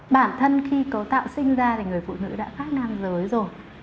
bản thân khi cấu tạo sinh ra thì người phụ nữ đã khác nam giới rồi